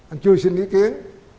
anh chưa xin ý kiến